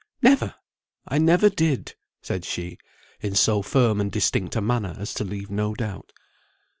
"Never. I never did," said she, in so firm and distinct a manner as to leave no doubt.